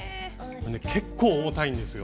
結構重たいんですよ。